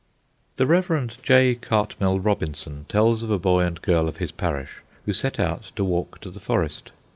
The Rev. J. Cartmel Robinson tells of a boy and girl of his parish who set out to walk to the forest.